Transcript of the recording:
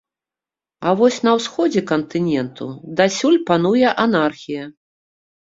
А вось на ўсходзе кантыненту дасюль пануе анархія.